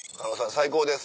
最高です。